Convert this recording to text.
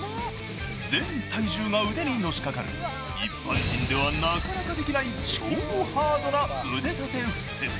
［全体重が腕にのしかかる一般人ではなかなかできない超ハードな腕立て伏せ］